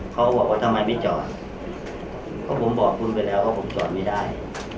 เขาบอกว่าทำไมไม่จอดเพราะผมบอกคุณไปแล้วว่าผมจอดไม่ได้